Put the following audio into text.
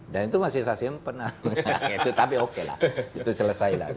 dan itu masih saya simpen tapi oke lah itu selesai lah